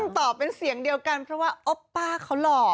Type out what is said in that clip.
ตอบเป็นเสียงเดียวกันเพราะว่าโอปป้าเขาหล่อ